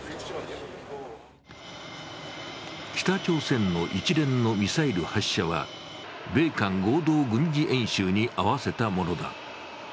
北朝鮮の一連のミサイル発射は米韓合同演習に合わせたものだ。